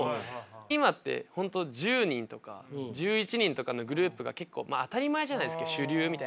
今って本当１０人とか１１人とかのグループが結構当たり前じゃないですか主流みたいな。